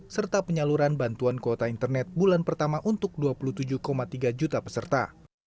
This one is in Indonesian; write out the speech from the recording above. serta penyaluran bantuan kuota internet bulan pertama untuk dua puluh tujuh tiga juta peserta